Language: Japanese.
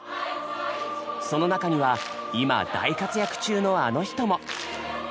その中には今大活躍中のあの人も！